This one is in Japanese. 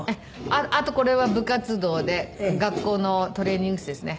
あとこれは部活動で学校のトレーニング室ですね。